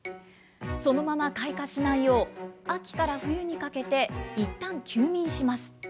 そのまま開花しないよう、秋から冬にかけていったん休眠します。